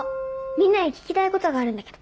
みんなに聞きたいことがあるんだけど。